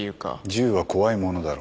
銃は怖いものだろ。